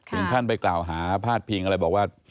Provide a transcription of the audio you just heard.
ท่านไปกล่าวหาพาดพิงอะไรบอกว่า